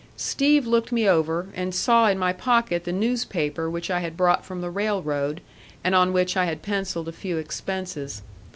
Steve looked me over, and saw in my pocket the newspaper which I had brought from the railroad and on which I had pencilled a few expenses.